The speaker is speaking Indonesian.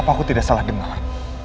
apaku tidak salah dengar